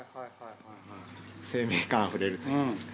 生命感あふれるといいますか。